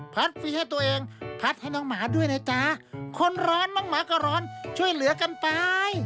ฟรีให้ตัวเองพัดให้น้องหมาด้วยนะจ๊ะคนร้อนน้องหมาก็ร้อนช่วยเหลือกันไป